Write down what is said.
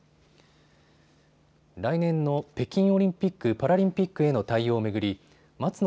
来年の北京オリンピック・パラリンピックへの対応を巡り松野